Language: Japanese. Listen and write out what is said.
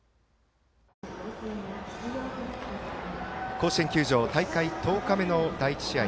甲子園球場大会１０日目の第１試合。